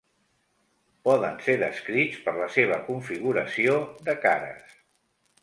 Poden ser descrits per la seva configuració de cares.